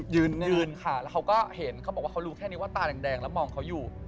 ยืนยืนค่ะแล้วเขาก็เห็นเขาบอกว่าเขารู้แค่นี้ว่าตาแดงแล้วมองเขาอยู่